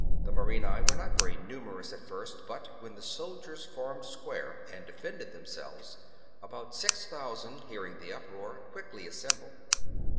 The Morini were not very numerous at first ; but when the soldiers formed square^ and defended them selves, about six thousand, hearing the uproar, quickly assembled.